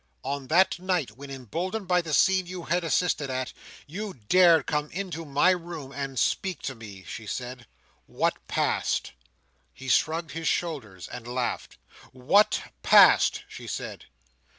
"On that night, when, emboldened by the scene you had assisted at, you dared come to my room and speak to me," she said, "what passed?" He shrugged his shoulders, and laughed "What passed?" she said.